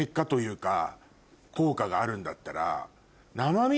があるんだったら。